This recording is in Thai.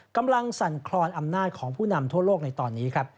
สั่นคลอนอำนาจของผู้นำทั่วโลกในตอนนี้ครับ